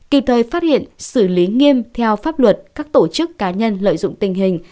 kịp thời phát hiện xử lý nghiêm theo pháp luật các tổ chức cá nhân lợi dụng tình hình